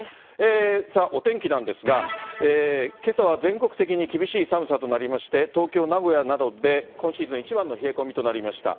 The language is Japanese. さあ、お天気なんですが、けさは全国的に厳しい寒さとなりまして、東京、名古屋などで今シーズン一番の冷え込みとなりました。